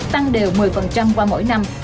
tăng đều một mươi qua mỗi năm